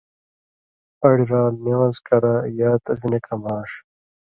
اڑیۡ رال (نِوان٘ز کرہ) یا تسی نہ کماݜ